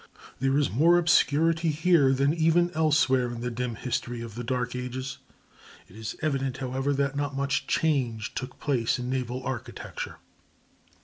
There is more obscurity here than even elsewhere in the dim history of the dark ages. It is evident, however, that not much change took place in naval architecture.